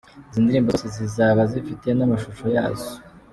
Izi ndirimbo zose zizaba zifite n’amashusho yazo.